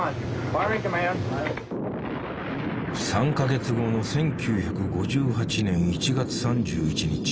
３か月後の１９５８年１月３１日。